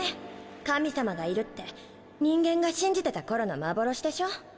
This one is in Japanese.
神様がいるって人間が信じてた頃の幻でしょ？